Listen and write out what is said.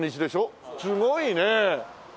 すごいね。